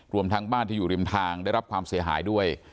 รวมทั้งบ้านที่อยู่ริมทางได้รับความเสียหายด้วย